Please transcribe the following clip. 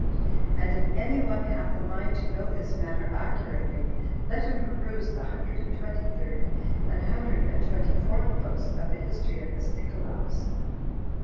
And if any one hath a mind to know this matter accurately, let him peruse the hundred and twenty third and hundred and twenty fourth books of the history of this Nicolaus.